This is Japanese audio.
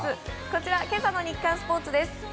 今朝の日刊スポーツです。